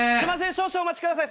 少々お待ちください。